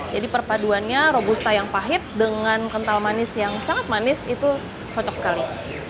jadi perpaduannya robusta yang pahit dengan kental manis yang sangat manis itu cocok sekali